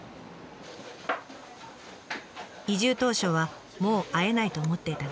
移住当初はもう会えないと思っていた芸人仲間。